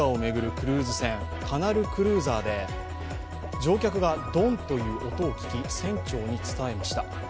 クルーズ船、カナルクルーザーで乗客がドンという音を聞き船長に伝えました。